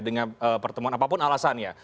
dengan pertemuan apapun alasannya